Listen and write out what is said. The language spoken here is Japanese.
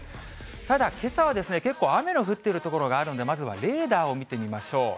ただけさは、結構雨の降っている所があるので、まずはレーダーを見てみましょう。